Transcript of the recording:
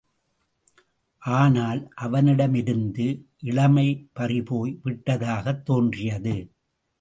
ஆனால், அவனிடமிருந்து இளமை பறிபோய் விட்டதாகத் தோன்றியது.